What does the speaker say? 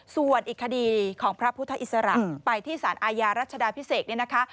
ส่วนอีกคดีของพระพุทธอิสระไปที่สารอาญารัชฎาพิเศก